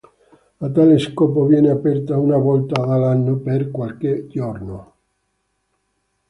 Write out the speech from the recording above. A tale scopo viene aperta una volta all'anno per qualche giorno.